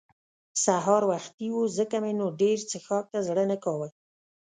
سهار وختي وو ځکه مې نو ډېر څښاک ته زړه نه کاوه.